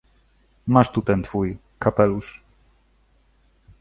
— Masz tu ten twój kapelusz.